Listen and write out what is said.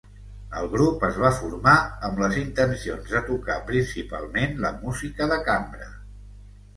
El grup es va formar amb les intencions de tocar principalment la música de cambra.